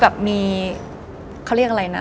บางปีเขาเรียกอะไรนะ